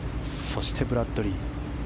そして、ブラッドリー。